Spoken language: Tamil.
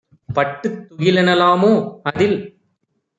பட்டுத் துகிலென லாமோ? - அதில்